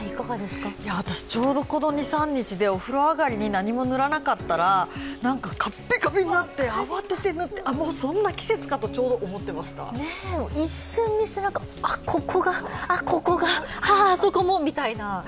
私、ちょうどこの２３日でお風呂上がりに何も塗らなかったらなんかカッピカピになって慌てて塗って、そんな季節かと一瞬にして、ここが、あ、ここがああ、あそこもみたいな。